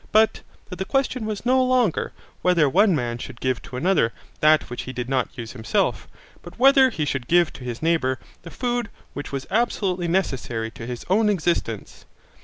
But that the question was no longer whether one man should give to another that which he did not use himself, but whether he should give to his neighbour the food which was absolutely necessary to his own existence.